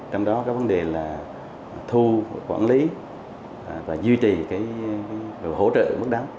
trong đó các vấn đề là thu quản lý và duy trì cái hỗ trợ mức đáng